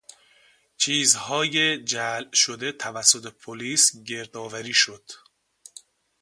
چیزهای جعل شده توسط پلیس گردآوری شد.